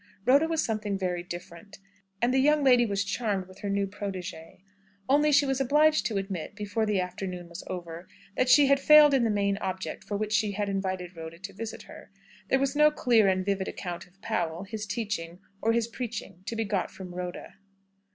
Rhoda was something very different, and the young lady was charmed with her new protégée. Only she was obliged to admit, before the afternoon was over, that she had failed in the main object for which she had invited Rhoda to visit her. There was no clear and vivid account of Powell, his teaching, or his preaching, to be got from Rhoda.